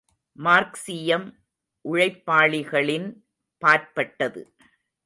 மார்க்சீயம் உழைப்பாளிகளின் பாற்பட்டது.